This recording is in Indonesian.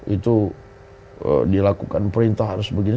itu dilakukan perintah harus begini